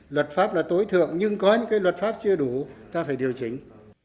luật pháp là tối thượng nhưng có những cái luật pháp chưa đủ ta phải điều chỉnh